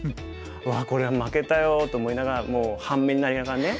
「うわこれ負けたよ」と思いながらもう半目になりながらね。